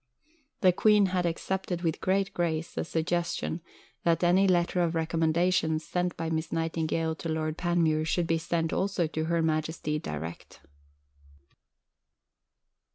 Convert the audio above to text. " The Queen had "accepted with great grace" the suggestion that any letter of recommendations sent by Miss Nightingale to Lord Panmure should be sent also to Her Majesty direct.